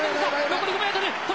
残り５ｍ。